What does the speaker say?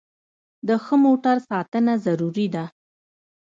د ښه موټر ساتنه ضروري ده.